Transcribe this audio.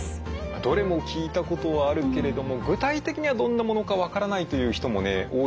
どれも聞いたことはあるけれども具体的にはどんなものか分からないという人も多いかもしれませんね。